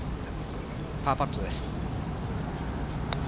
パーパットです。